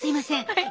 はい。